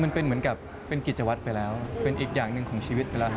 เหมือนกับเป็นกิจวัตรไปแล้วเป็นอีกอย่างหนึ่งของชีวิตไปแล้วฮ